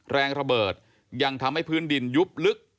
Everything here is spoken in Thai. แรงระเบิดยังทำให้พื้นดินยุบลึก